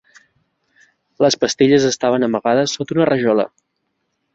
Les pastilles estaven amagades sota una rajola.